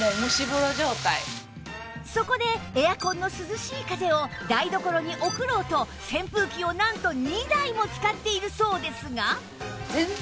そこでエアコンの涼しい風を台所に送ろうと扇風機をなんと２台も使っているそうですが